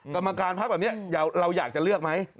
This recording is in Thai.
กรรมการพักแบบนี้เราอยากจะเลือกไหม